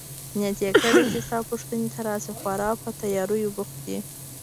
نیت يې کړی چي ستا پوښتنې ته راشي، خورا په تیاریو بوخت دی.